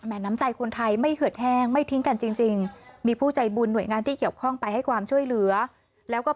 อันนี้ต่อไฟมาให้แล้ว